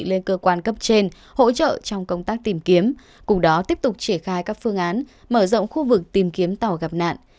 lên cơ quan cấp trên hỗ trợ trong công tác tìm kiếm cùng đó tiếp tục triển khai các phương án mở rộng khu vực tìm kiếm tàu gặp nạn